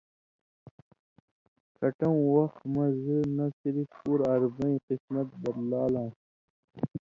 کَھٹوں وَخ مَز نہ صِرف ُپور عربئیں قسمت بدلال آنٚس